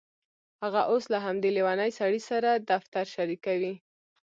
هغه اوس له همدې لیونۍ سړي سره دفتر شریکوي